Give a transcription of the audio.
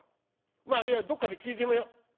まあいいやどっかで聞いてみよう」。